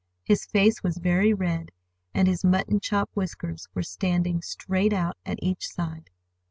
His face was very red, and his mutton chop whiskers were standing straight out at each side.